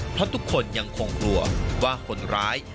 เพราะทุกคนยังคงกลัวว่าคนร้าย